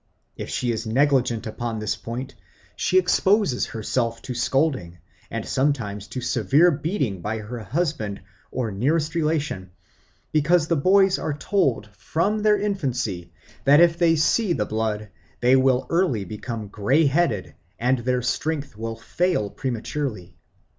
If she is neglectful upon this point, she exposes herself to scolding, and sometimes to severe beating by her husband or nearest relation, because the boys are told from their infancy, that if they see the blood they will early become grey headed, and their strength will fail prematurely."